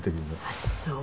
あっそう。